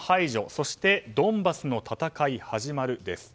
そしてドンバスの戦い始まるです。